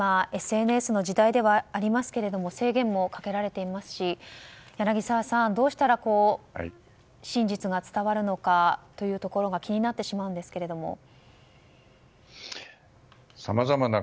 今、ＳＮＳの時代ではありますが制限もかけられていますし柳澤さん、どうしたら真実が伝わるのかというところが気になってしまうんですけども。